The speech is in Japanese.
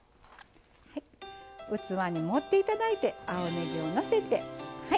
器に盛っていただいて青ねぎをのせてはい。